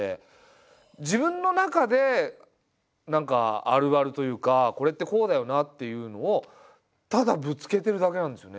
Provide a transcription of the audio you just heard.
自分の中で何かあるあるというかこれってこうだよなっていうのをただぶつけてるだけなんですよね。